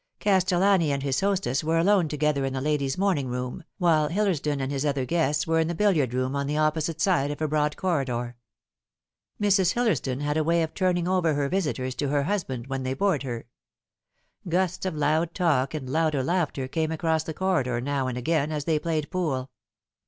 Castellani and his hostess were alone together in the lady's morning room, while Hillersdon and his other guests were in the billiard room on the opposite side of a broad corri dor. Mrs. Hillersdon had a way of turning over her visitors to her husband when they bored her. Gusts of loud talk and louder laughter came across the corridor now and again as they played pool.